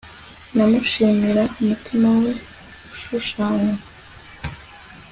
namushimira umutima we ushushanywa